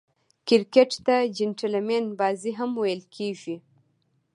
کرکټ ته "جېنټلمن بازي" هم ویل کیږي.